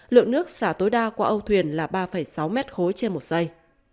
lượng nước xả tối đa của âu thuyền là ba sáu m khối trên một giây